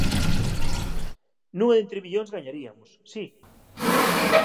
Nunha de entre millóns gañariamos, si?